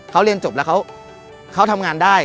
เขาเรียนจบแล้วเขาทำงานได้